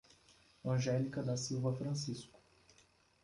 Angelica da Silva Francisco